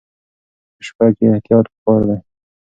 په شپه کې احتیاط پکار دی.